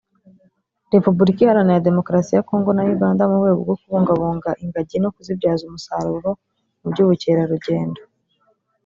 Repubulika Iharanira Demokarsi ya Congo na Uganda mu rwego rwo kubungabunga ingagi no kuzibyaza umusaruro mu by’ubukerarugendo